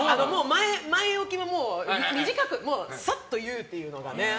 前置きは短くサッと言うっていうのが。